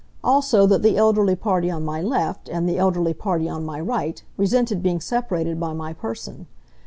Also that the elderly party on my left and the elderly party on my right resented being separated by my person.